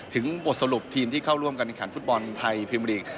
ถึงบทสรุปทีมที่เข้าร่วมกันกันการฟุตบอลไทยพรีมอลีก